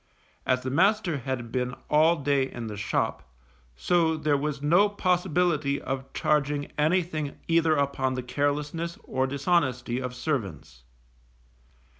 As the master had been all day in the shop, so there was no possibility of charging anything either upon the carelessness or dishonesty of servants.